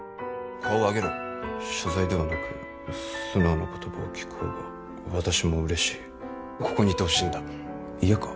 顔を上げろ謝罪ではなく素直な言葉を聞く方が私も嬉しいここにいてほしいんだ嫌か？